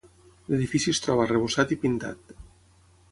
L'edifici es troba arrebossat i pintat.